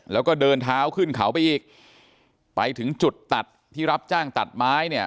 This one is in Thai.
แล้วก็เดินเท้าขึ้นเขาไปอีกไปถึงจุดตัดที่รับจ้างตัดไม้เนี่ย